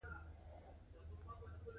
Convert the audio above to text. د بوشنګ پاچاهۍ لومړي اقدامات په پام کې ونیسئ.